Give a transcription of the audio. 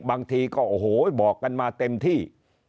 บางทีก็โอ้โหบอกกันมาเต็มที่